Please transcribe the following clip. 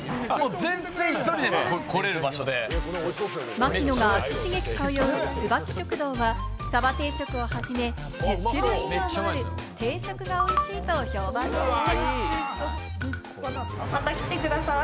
槙野が足しげく通う、つばき食堂はさば定食をはじめ、１０種類以上もある定食が美味しいと評判のお店。